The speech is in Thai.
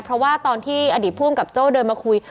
เพราะว่าตอนที่อดีตภูมิกับโจ้เดินมาคุย